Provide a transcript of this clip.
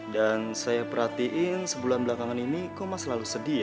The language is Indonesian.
dan saya perhatiin sebulan belakangan ini kok mas selalu sedih ya